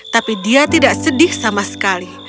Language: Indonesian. tapi dia tidak sedih sama sekali